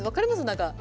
何か。